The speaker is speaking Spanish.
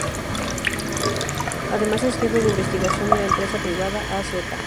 Además es jefe de investigación de la empresa privada Az.